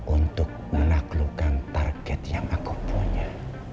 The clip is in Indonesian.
untuk menaklukkan target yang aku punya